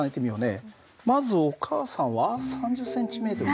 まずお母さんは３０ｃｍだったね。